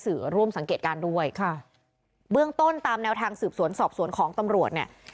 ร่วมสังเกตการณ์ด้วยค่ะเบื้องต้นตามแนวทางสืบสวนสอบสวนของตำรวจเนี่ย